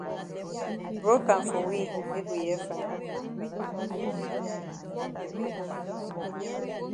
Broke am for we make we hear fine.